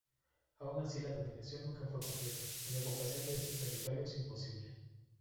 Aun así la dominación nunca fue completa y la ocupación de estos territorios imposible.